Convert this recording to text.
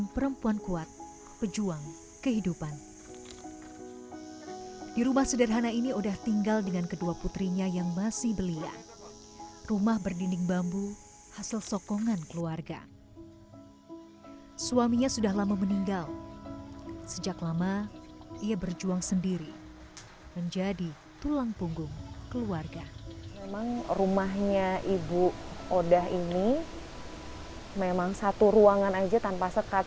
memang rumahnya ibu oda ini memang satu ruangan aja tanpa sekat